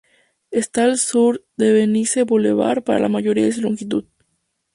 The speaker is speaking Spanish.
Está al sur de Venice Boulevard para la mayoría de su longitud.